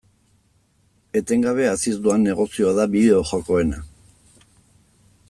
Etengabe haziz doan negozioa da bideo-jokoena.